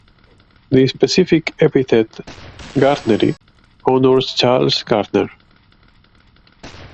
The specific epithet ("gardneri") honours Charles Gardner.